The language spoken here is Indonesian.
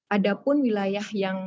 ada pun wilayah yang